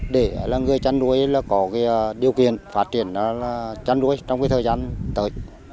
để người chăn nuôi có điều kiện phát triển chăn nuôi trong thời gian tới